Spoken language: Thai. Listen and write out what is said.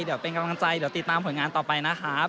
เดี๋ยวเป็นกำลังใจเดี๋ยวติดตามผลงานต่อไปนะครับ